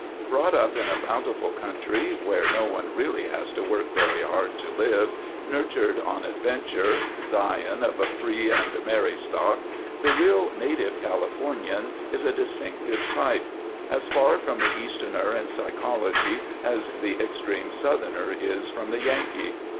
Brought up in a bountiful country, where no one really has to work very hard to live, nurtured on adventure, scion of a free and merry stock, the real, native Californian is a distinctive type; as far from the Easterner in psychology as the extreme Southerner is from the Yankee.